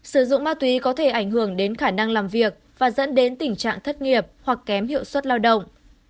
sử dụng ma túy có thể ảnh hưởng đến khả năng làm việc và dẫn đến tình trạng thất nghiệp hoặc kém hiệu suất lao động